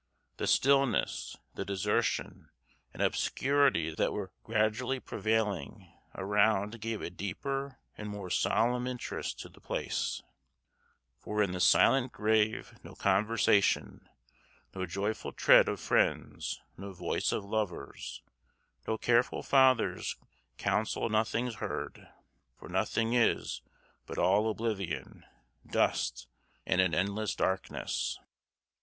The stillness, the desertion, and obscurity that were gradually prevailing around gave a deeper and more solemn interest to the place; For in the silent grave no conversation, No joyful tread of friends, no voice of lovers, No careful father's counsel nothing's heard, For nothing is, but all oblivion, Dust, and an endless darkness.